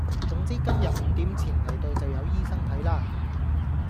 總之今日五點前嚟到就有醫生睇啦